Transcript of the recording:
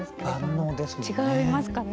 万能ですよね。